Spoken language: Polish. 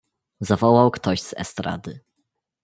"zawołał ktoś z estrady."